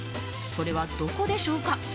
それはどこでしょうか？